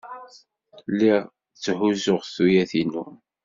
Lliɣ tthuzzuɣ tuyat-inu.